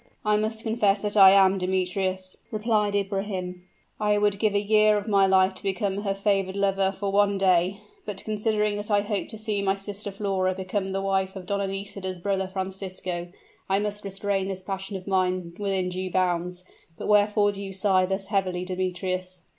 "I must confess that I am, Demetrius," replied Ibrahim; "I would give a year of my life to become her favored lover for one day. But considering that I hope to see my sister Flora become the wife of Donna Nisida's brother Francisco, I must restrain this passion of mine within due bounds. But wherefore do you sigh thus heavily, Demetrius?"